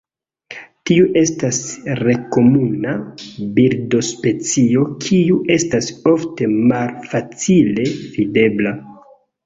Tiu estas nekomuna birdospecio kiu estas ofte malfacile videbla.